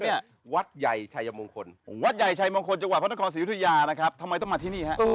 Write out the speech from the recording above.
หวัดใหญ่ชัยมงคลจังหวัดพระนักคลอนสิระยุฒิญาทำไมต้องมาที่นี่